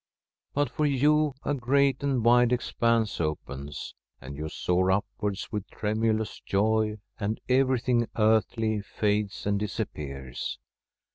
But for you a great and wide expanse opens, and you soar upwards with tremulous joy, and every thing earthly fades and disappears.